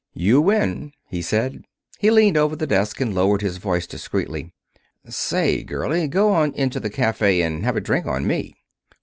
"You win," he said. He leaned over the desk and lowered his voice discreetly. "Say, girlie, go on into the cafe and have a drink on me."